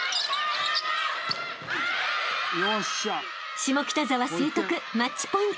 ［下北沢成徳マッチポイント］